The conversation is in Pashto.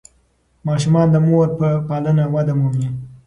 ماشومان د مور په پالنه وده مومي.